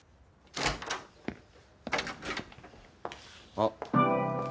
あっ。